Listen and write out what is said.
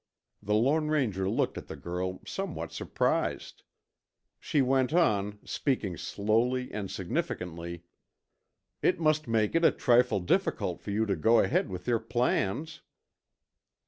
The Lone Ranger looked at the girl somewhat surprised. She went on, speaking slowly and significantly. "It must make it a trifle difficult for you to go ahead with your plans."